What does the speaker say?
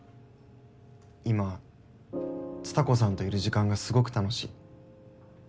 今蔦子さんといる時間がすごく楽しい。